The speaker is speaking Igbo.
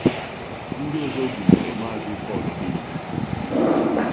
Ndị ọzọ gụnyère Maazị Paul Odenigbo